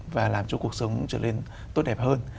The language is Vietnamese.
và làm cho cuộc sống trở lên tốt đẹp hơn